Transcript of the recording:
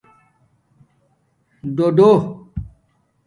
ڈُݸ ڈُݸ